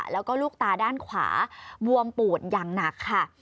แล้วก็ลูกตาด้านขวาบวมปูดอย่างหนักค่ะ